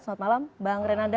selamat malam bang renanda